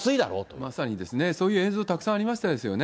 まさにですね、そういう映像たくさんありましたよね。